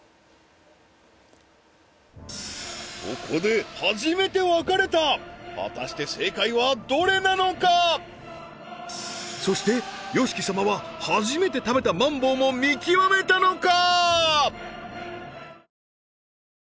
ここで初めて分かれた果たしてそしてＹＯＳＨＩＫＩ様は初めて食べたマンボウも見極めたのか？